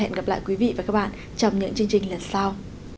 hẹn gặp lại quý vị và các bạn trong những chương trình lần sau